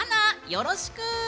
よろしく。